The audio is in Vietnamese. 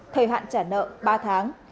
thời hạn trả nợ ba tháng